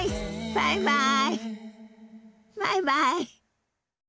バイバイ。